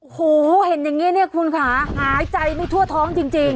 โอ้โฮเห็นอย่างนี้คุณคะหายใจทั่วท้องจริง